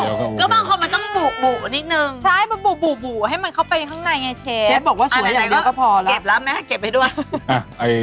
เชฟแล้วมะเขือพวงไม่บุบุเหรอ